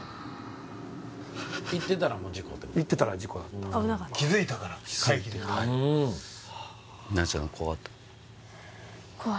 行ってたらもう事故行ってたら事故だった危なかった気づいたから回避できた七菜ちゃん怖かった？